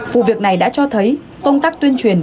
vụ việc này đã cho thấy công tác tuyên truyền